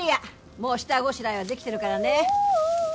もう下ごしらえはできてるからねお！